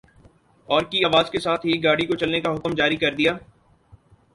اور کی آواز کے ساتھ ہی گاڑی کو چلنے کا حکم جاری کر دیا ۔